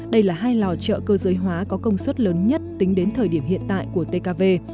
đây là hai lò chợ cơ giới hóa có công suất lớn nhất tính đến thời điểm hiện tại của tkv